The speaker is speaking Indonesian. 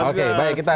oke baik kita